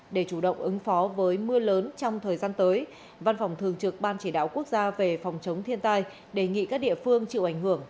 để chủ động ứng phó với mưa lớn trong thời gian tới văn phòng thường trực ban chỉ đạo quốc gia về phòng chống thiên tai đề nghị các địa phương chịu ảnh hưởng